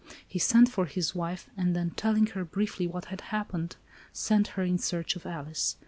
He sent for his wife, and, then, telling her briefly what had happened, sent her in search of Alice.